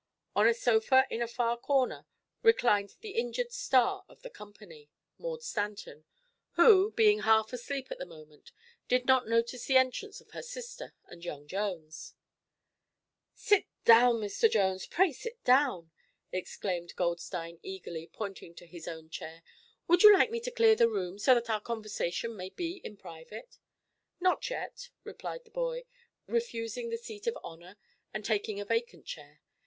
On a sofa in a far corner reclined the injured "star" of the company, Maud Stanton, who being half asleep at the moment did not notice the entrance of her sister and young Jones. "Sit down, Mr. Jones; pray sit down!" exclaimed Goldstein eagerly, pointing to his own chair. "Would you like me to clear the room, so that our conversation may be private?" "Not yet," replied the boy, refusing the seat of honor and taking a vacant chair.